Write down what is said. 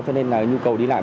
cho nên là nhu cầu đi lại